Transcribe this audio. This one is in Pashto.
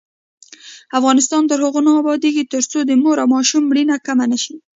افغانستان تر هغو نه ابادیږي، ترڅو د مور او ماشوم مړینه کمه نشي.